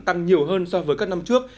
tăng nhiều hơn so với các năm trước